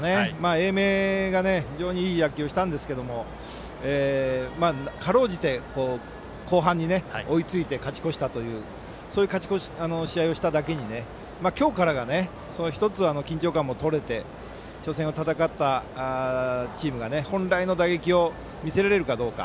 英明が非常にいい野球をしたんですけどかろうじて後半に追いついて勝ち越したという試合をしただけに今日からが１つ緊張感もとれて初戦を戦ったチームが本来の打撃を見せられるかどうか。